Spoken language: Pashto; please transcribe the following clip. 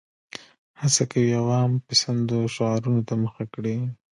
هڅه کوي عوام پسندو شعارونو ته مخه کړي.